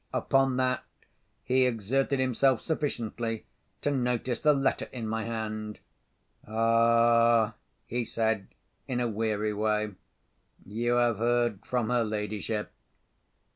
Upon that he exerted himself sufficiently to notice the letter in my hand. "Ah!" he said in a weary way, "you have heard from her ladyship.